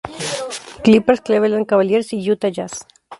Clippers, Cleveland Cavaliers y Utah Jazz.